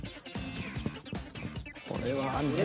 これはねぇ。